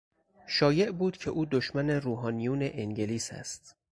شایع بود که او دشمن روحانیون انگلیس است.